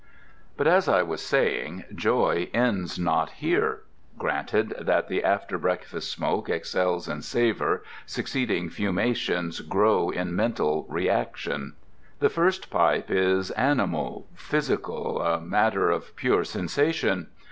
But, as I was saying, joy ends not here. Granted that the after breakfast smoke excels in savour, succeeding fumations grow in mental reaction. The first pipe is animal, physical, a matter of pure sensation.